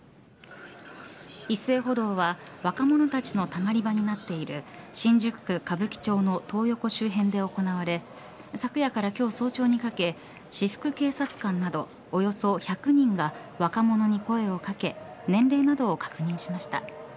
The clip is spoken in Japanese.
一斉補導は若者たちのたまり場になっている新宿区歌舞伎町のトー横周辺で行われ昨夜から今日早朝にかけ私服警察官などおよそ１００人が若者に声を掛け年齢などを確認しました。